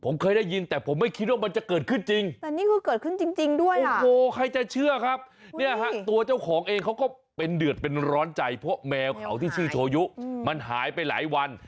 แมวเขาที่ชื่อโชยุมันหายไปหลายวัน